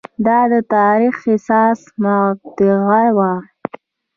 دا د تاریخ حساسه مقطعه وه.